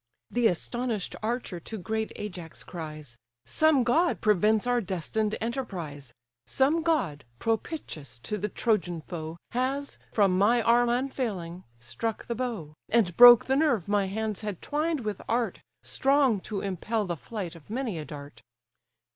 The astonish'd archer to great Ajax cries; "Some god prevents our destined enterprise: Some god, propitious to the Trojan foe, Has, from my arm unfailing, struck the bow, And broke the nerve my hands had twined with art, Strong to impel the flight of many a dart."